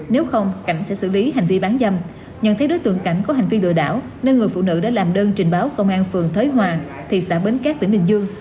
nếu không cảnh sẽ xử lý hành vi bán dâm nhận thấy đối tượng cảnh có hành vi lừa đảo nên người phụ nữ đã làm đơn trình báo công an phường thới hòa thị xã bến cát tỉnh bình dương